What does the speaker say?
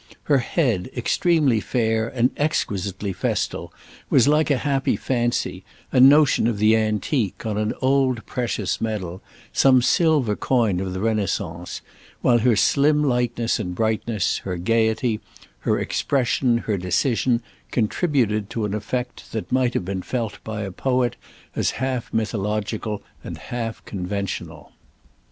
Her head, extremely fair and exquisitely festal, was like a happy fancy, a notion of the antique, on an old precious medal, some silver coin of the Renaissance; while her slim lightness and brightness, her gaiety, her expression, her decision, contributed to an effect that might have been felt by a poet as half mythological and half conventional.